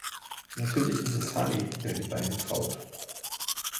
Natürlich ist es Harry, der die beiden traut.